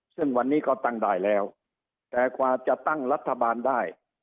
ซึ่งวันนี้ก็ตั้งได้แล้วแต่กว่าจะตั้งรัฐบาลได้